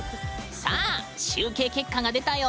集計結果が出たよ。